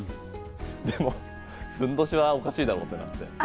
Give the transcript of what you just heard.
でも、ふんどしはおかしいだろってなって。